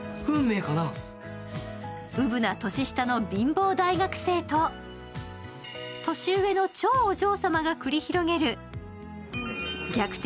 うぶな年下の貧乏大学生と年上の超お嬢様が繰り広げる逆転